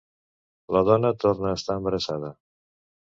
La dona torna a estar embarassada.